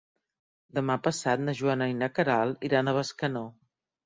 Demà passat na Joana i na Queralt iran a Bescanó.